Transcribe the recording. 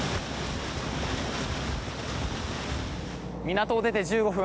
港を出て１５分。